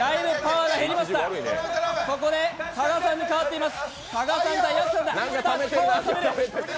ここで加賀さんに代わっています。